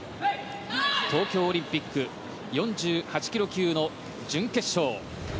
東京オリンピック４８ｋｇ級の準決勝。